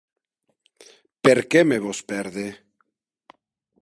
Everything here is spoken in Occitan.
Per qué me vòs pèrder?